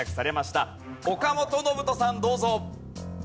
岡本信人さんどうぞ。